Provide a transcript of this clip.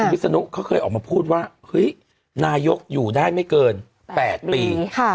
วิศนุเขาเคยออกมาพูดว่าเฮ้ยนายกอยู่ได้ไม่เกิน๘ปี